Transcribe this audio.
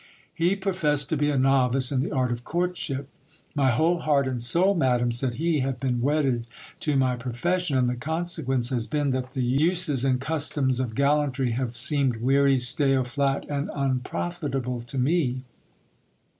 He professed to be a novice in the art of courtship. My whole heart and soul, madam, said he, have been wedded t o my profession ; and the consequence has been, that the uses and customs of gallantry have seemed weary, stale, flat, and unprofitable to me.